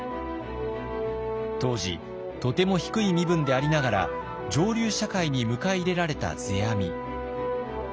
当時とても低い身分でありながら上流社会に迎え入れられた世阿弥。